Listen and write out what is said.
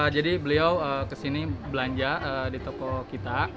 jadi beliau kesini belanja di toko kita